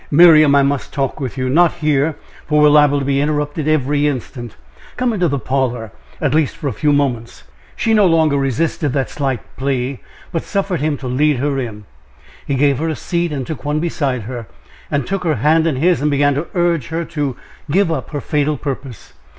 "Miriam, I must talk with you not here for we are liable to be interrupted every instant. Come into the parlor, at least for a few moments." She no longer resisted that slight plea, but suffered him to lead her in. He gave her a seat, and took one beside her, and took her hand in his, and began to urge her to give up her fatal purpose.